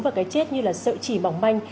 và cái chết như là sợi chỉ bỏng manh